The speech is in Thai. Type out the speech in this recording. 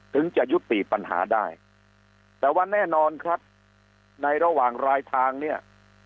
จะยุติปัญหาได้แต่ว่าแน่นอนครับในระหว่างรายทางเนี่ย